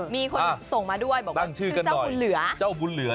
มีคนส่งมาด้วยบอกว่าชื่อเจ้าบุญเหลือ